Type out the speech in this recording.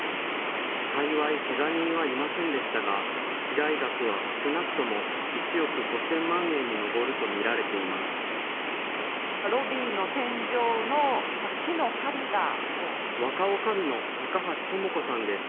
幸いけが人はいませんでしたが、被害額は少なくとも１億５０００万円に上ると見られています。